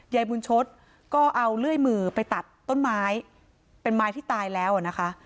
ยายบุญชศก็เอาเลื่อยมือไปตัดต้นไม้เป็นไม้ที่ตายแล้วนะคะ